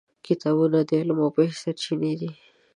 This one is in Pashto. کتابونه د علم او پوهې سرچینې دي.